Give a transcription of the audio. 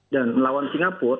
dan melawan singapura